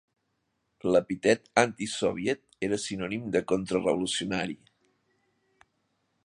L'epítet "antisoviet" era sinònim de "contrarevolucionari".